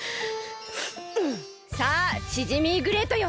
さあシジミーグレイトよ！